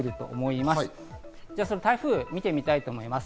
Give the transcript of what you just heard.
台風を見てみたいと思います。